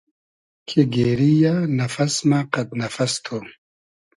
کی گېری یۂ نئفئس مۂ قئد نئفئس تو